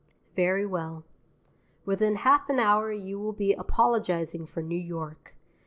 Very well. Within half an hour you will be apologizing for New York.